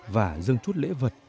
và dâng chút lễ vật